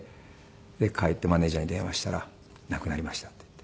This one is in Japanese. で帰ってマネジャーに電話したら「亡くなりました」って言って。